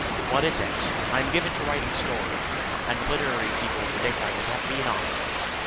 "What is it?" "I am given to writing stories, and literary people predict I will yet be an authoress."